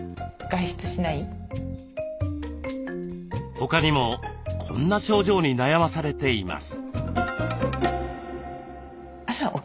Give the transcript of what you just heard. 他にもこんな症状に悩まされています。